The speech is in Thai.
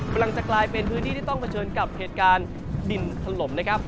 ก็ลังจะกลายเป็นพื้นที่ที่ต้องหัวเชิญกับเทศการดินทะลมนะ